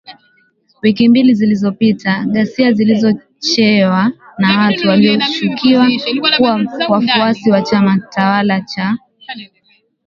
Wiki mbili zilizopita, ghasia zilizochochewa na watu wanaoshukiwa kuwa wafuasi wa chama tawala cha